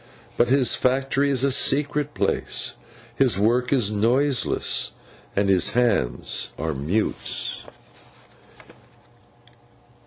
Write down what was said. But his factory is a secret place, his work is noiseless, and his Hands are mutes.